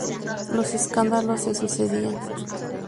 Los escándalos se sucedían.